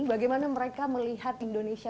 bagaimana mereka melihat indonesia